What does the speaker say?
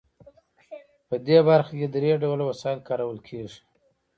په دې برخه کې درې ډوله وسایل کارول کیږي.